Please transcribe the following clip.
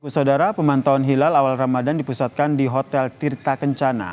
saudara pemantauan hilal awal ramadan dipusatkan di hotel tirta kencana